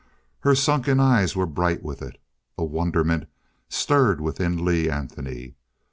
Her sunken eyes were bright with it. A wonderment stirred within Lee Anthony.